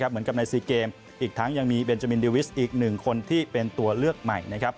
เหมือนกับในซีเกมอีกทั้งยังมีเบนจามินดิวิสอีก๑คนที่เป็นตัวเลือกใหม่